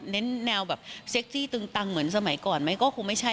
แนวแบบเซ็กซี่ตึงตังเหมือนสมัยก่อนไหมก็คงไม่ใช่